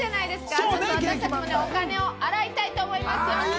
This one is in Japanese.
早速お金を洗いたいと思います。